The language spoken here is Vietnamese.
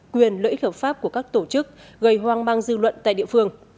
quyền lợi ích hợp pháp của các tổ chức gây hoang mang dư luận tại địa phương